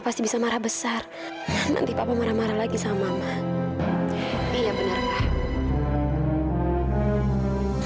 pasti bisa marah besar nanti papa marah marah lagi sama mama iya bener lah